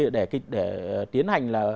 để tiến hành